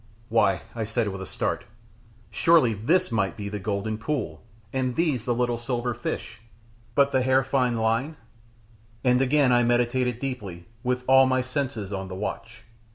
"Why," I said, with a start, "surely THIS might be the golden pool and these the silver fish but the hair fine line?" And again I meditated deeply, with all my senses on the watch.